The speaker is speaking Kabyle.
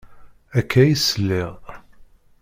Akka i sliɣ.